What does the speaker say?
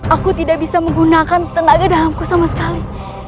aku tidak bisa menggunakan tenaga dalamku sama sekali